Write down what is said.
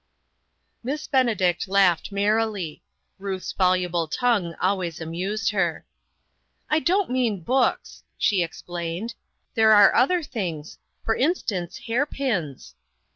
Miss Benedict laughed merrily. Ruth's voluble tongue always amused her. "I don't mean books," she explained. "There are other things; for instance, hair pins."